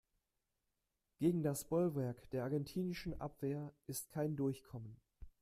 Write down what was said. Gegen das Bollwerk der argentinischen Abwehr ist kein Durchkommen.